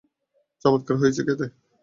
চমৎকার হয়েছে খেতে!